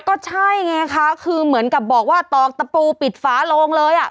ก็ใช่ไงคะคือเหมือนกับบอกว่าตอกตะปูปิดฝาโลงเลยอ่ะ